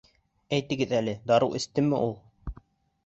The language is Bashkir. Әйтегеҙ әле, дарыу эстеме ул?